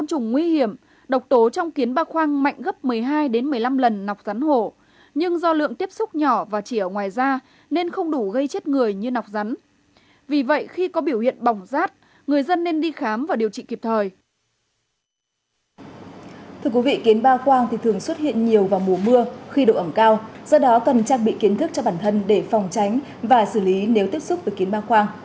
thưa quý vị kiến ba khoang thì thường xuất hiện nhiều vào mùa mưa khi độ ẩm cao do đó cần trang bị kiến thức cho bản thân để phòng tránh và xử lý nếu tiếp xúc với kiến ba khoang